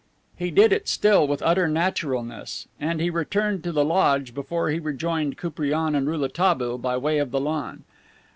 He did it still with utter naturalness. And he returned to the ledge before he rejoined Koupriane and Rouletabille by way of the lawn.